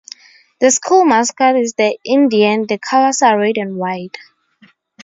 The school mascot is the Indian, the colors are red and white.